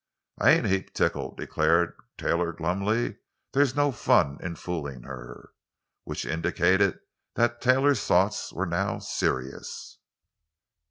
"I ain't a heap tickled," declared Taylor glumly. "There's no fun in fooling her!" Which indicated that Taylor's thoughts were now serious.